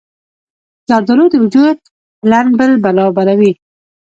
زردالو د وجود لندبل برابروي.